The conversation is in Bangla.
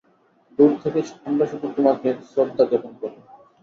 দূর থেকে আমরা শুধু তোমাকে শ্রদ্ধা জ্ঞাপন করব।